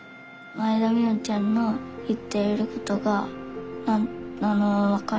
前田海音ちゃんの言っていることがわかる。